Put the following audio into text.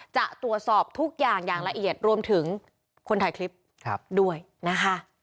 จะตรวจสอบทุกอย่างอย่างละเอียดรวมถึงคนถ่ายคลิปด้วยนะคะ